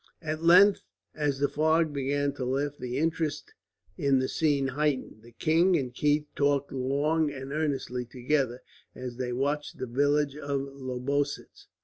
At length, as the fog began to lift, the interest in the scene heightened. The king and Keith talked long and earnestly together, as they watched the village of Lobositz.